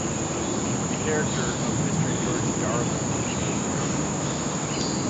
The character of Mr. George Darling was named after him.